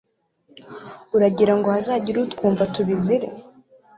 uragira ngo hazagire utwumva tubizire